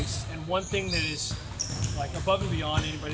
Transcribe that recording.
satu hal yang saya telah bekerja dengan dbl sekarang dua kali